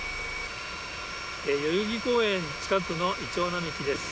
代々木公園近くのイチョウ並木です。